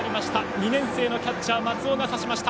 ２年生のキャッチャー松尾がさしました。